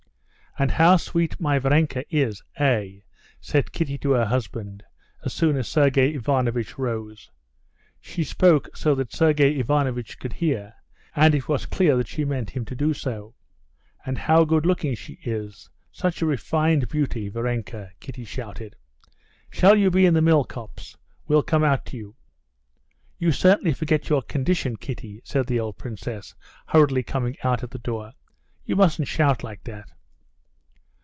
"And how sweet my Varenka is! eh?" said Kitty to her husband, as soon as Sergey Ivanovitch rose. She spoke so that Sergey Ivanovitch could hear, and it was clear that she meant him to do so. "And how good looking she is—such a refined beauty! Varenka!" Kitty shouted. "Shall you be in the mill copse? We'll come out to you." "You certainly forget your condition, Kitty," said the old princess, hurriedly coming out at the door. "You mustn't shout like that."